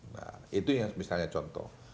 nah itu yang misalnya contoh